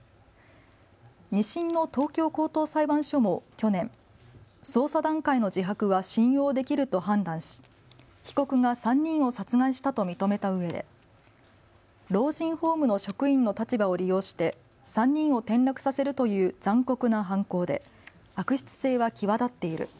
２審の東京高等裁判所も去年、捜査段階の自白は信用できると判断し被告が３人を殺害したと認めたうえで老人ホームの職員の立場を利用して３人を転落させるという残酷な犯行で悪質性は際立っている。